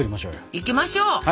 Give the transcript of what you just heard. いきましょう！